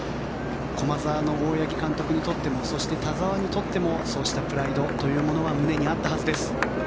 駒澤の大八木監督にとってもそして、田澤にとってもそうした思いは胸にあったはずです。